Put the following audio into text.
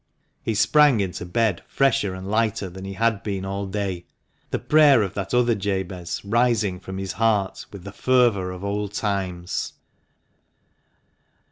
He sprang into bed fresher and lighter than he had been all day, the prayer of that other Jabez rising from his heart with the fervour of old times.